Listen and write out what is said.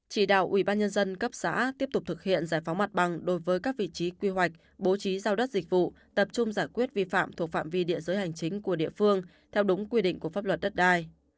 chỉ đạo ubnd cấp xã tiếp tục thực hiện giải phóng mặt bằng đối với các vị trí quy hoạch bố trí giao đất dịch vụ tập trung giải quyết vi phạm thuộc phạm vi địa giới hành chính của địa phương theo đúng quy định của pháp luật đất đai